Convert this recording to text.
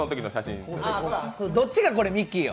どっちがこれミッキーよ。